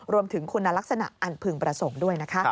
รวมถึงคุณลักษณะอันพึงประสงค์ด้วยนะคะ